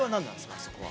あそこは。